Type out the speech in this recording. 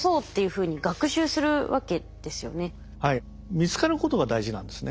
見つかることが大事なんですね。